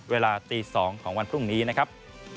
เวลาตี๒ของวันพรุ่งนี้นะครับ